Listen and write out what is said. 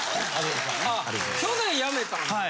去年辞めたんですか？